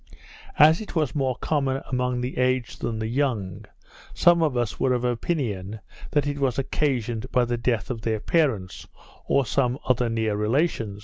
As it was more common among the aged than the young, some of us were of opinion that it was occasioned by the death of their parents, or some other near relation.